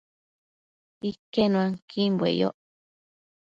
Iquenuanquimbue yoc